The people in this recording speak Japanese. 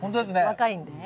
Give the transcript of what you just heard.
若いんでね。